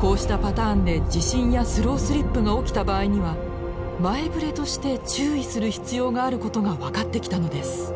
こうしたパターンで地震やスロースリップが起きた場合には前ぶれとして注意する必要があることが分かってきたのです。